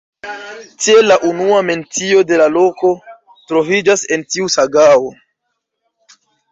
Tiel la unua mencio de la loko troviĝas en tiu sagao.